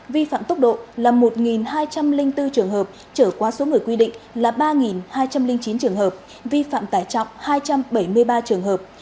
vi phạm tốc độ là một hai trăm linh bốn trường hợp trở qua số người quy định là ba hai trăm linh chín trường hợp vi phạm tải trọng hai trăm bảy mươi ba trường hợp